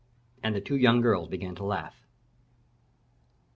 And the two young girls began to laugh.